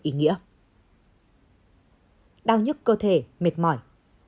ý nghĩa đau nhức cơ thể mệt mỏi